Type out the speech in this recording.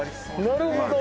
なるほど！